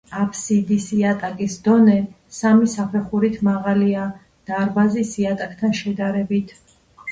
აბსიდის იატაკის დონე სამი საფეხურით მაღალია დარბაზის იატაკთან შედარებით.